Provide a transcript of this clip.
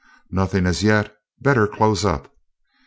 "Nothing as yet. Better close up?"